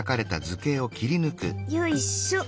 よいしょ！